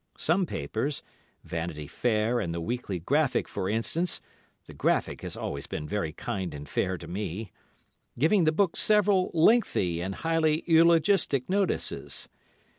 Some papers, "Vanity Fair" and the "Weekly Graphic," for instance—the "Graphic" has always been very kind and fair to me,—giving the book several lengthy and highly eulogistic notices.